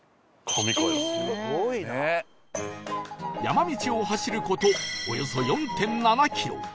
山道を走る事およそ ４．７ キロ